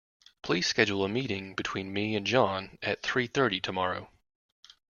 Please schedule a meeting between me and John at three thirty tomorrow.